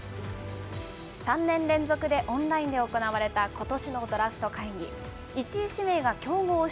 ３年連続でオンラインで行われたことしのドラフト会議。